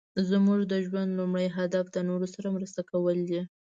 زموږ د ژوند لومړی هدف د نورو سره مرسته کول دي.